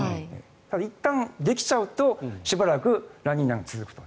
ただ、いったんできちゃうとしばらくラニーニャが続くと。